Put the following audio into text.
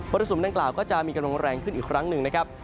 รสุมดังกล่าวก็จะมีกำลังแรงขึ้นอีกครั้งหนึ่งนะครับ